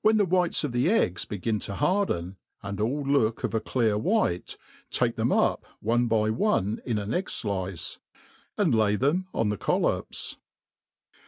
When the whites of the eggs begin to harden, and all look of a clear white, take them up one by one in an egg flice, and lay them on the collops.